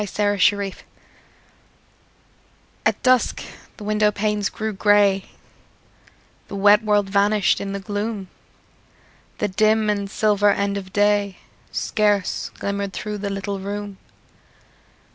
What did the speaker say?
FORGIVENESS At dusk the window panes grew grey; The wet world vanished in the gloom; The dim and silver end of day Scarce glimmered through the little room.